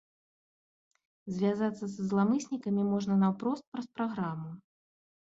Звязацца са зламыснікамі можна наўпрост праз праграму.